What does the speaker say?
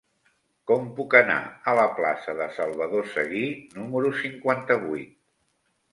Com puc anar a la plaça de Salvador Seguí número cinquanta-vuit?